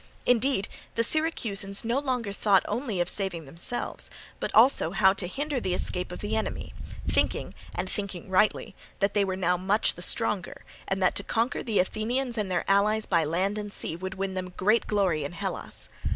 Indeed, the Syracusans no longer thought only of saving themselves, but also how to hinder the escape of the enemy; thinking, and thinking rightly, that they were now much the stronger, and that to conquer the Athenians and their allies by land and sea would win them great glory in Hellas.